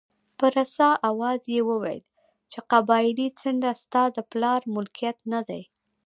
په رسا اواز یې وویل چې قبایلي څنډه ستا د پلار ملکیت نه دی.